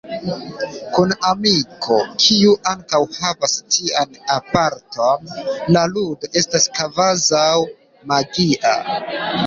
Kun amiko, kiu ankaŭ havas tian aparaton, la ludo estas kvazaŭ magia.